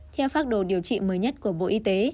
theo phác đồ điều trị mới nhất của bộ y tế